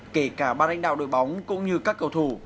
kể cả ban lãnh đạo đội bóng cũng như các cầu thủ